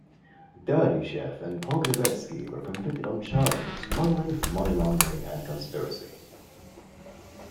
Darichev and Pogrebezskij were convicted on charges of smuggling, money laundering and conspiracy.